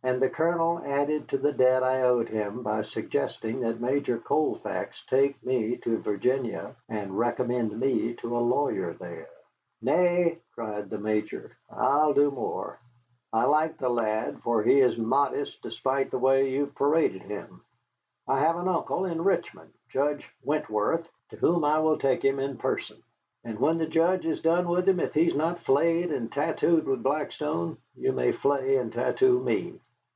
And the Colonel added to the debt I owed him by suggesting that Major Colfax take me to Virginia and recommend me to a lawyer there. "Nay," cried the Major, "I will do more. I like the lad, for he is modest despite the way you have paraded him. I have an uncle in Richmond, Judge Wentworth, to whom I will take him in person. And when the Judge has done with him, if he is not flayed and tattooed with Blackstone, you may flay and tattoo me."